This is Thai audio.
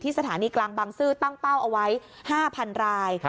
สถานีกลางบังซื้อตั้งเป้าเอาไว้๕๐๐๐ราย